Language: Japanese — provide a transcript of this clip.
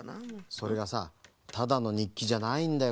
それがさただのにっきじゃないんだよ